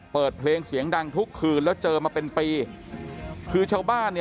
เปิดเพลงเสียงดังทุกคืนแล้วเจอมาเป็นปีคือชาวบ้านเนี่ย